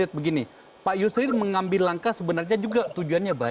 itu salah satu yang